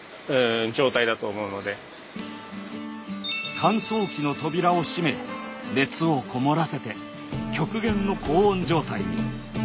乾燥機の扉を閉め熱を籠もらせて極限の高温状態に。